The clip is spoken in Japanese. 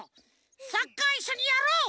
サッカーいっしょにやろう！